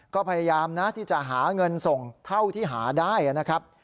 ก็พยายามนะที่จะหาเงินส่งเท่าที่หาได้นะครับ